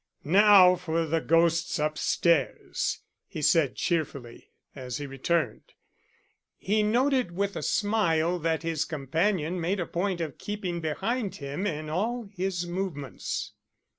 "Now for the ghosts upstairs," he said cheerfully, as he returned. He noted with a smile that his companion made a point of keeping behind him in all his movements.